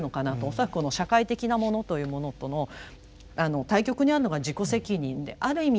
恐らく社会的なものというものとの対極にあるのが自己責任である意味